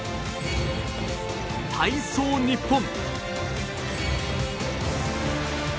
体操日本。